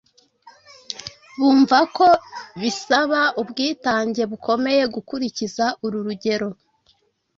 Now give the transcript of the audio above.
Bumva ko bibasaba ubwitange bukomeye gukurikiza uru rugero,